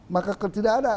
maka tidak ada